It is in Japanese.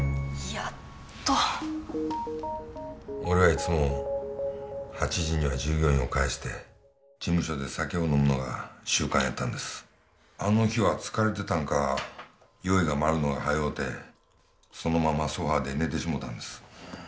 やっと俺はいつも８時には従業員をかえして事務所で酒を飲むのが習慣やったんですあの日は疲れてたんか酔いが回るのが早うてそのままソファーで寝てしもうたんです